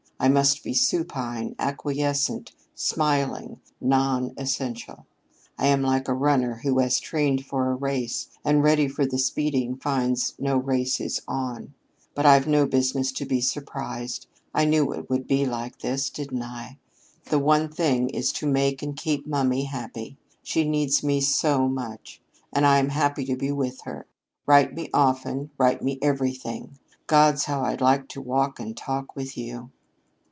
I must be supine, acquiescent, smiling, non essential. I am like a runner who has trained for a race, and, ready for the speeding, finds that no race is on. But I've no business to be surprised. I knew it would be like this, didn't I? the one thing is to ¸make and keep mummy happy. She needs me so much. And I am happy to be with her. Write me often write me everything. Gods, how I'd like a walk and talk with you!"